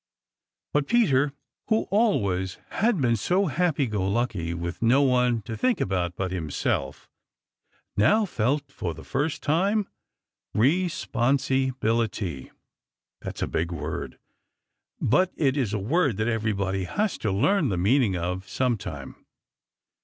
But Peter, who always had been so happy go lucky, with no one to think about but himself, now felt for the first time re sponsi bil ity. That's a big word, but it is a word that everybody has to learn the meaning of sometime.